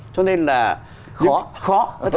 cho nên là khó